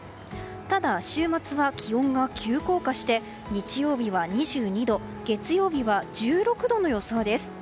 ただ、週末は気温が急降下して日曜日は２２度月曜日は１６度の予想です。